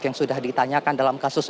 yang sudah ditanyakan dalam kasus